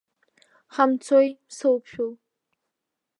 Ҳамцои, соуԥшәыл!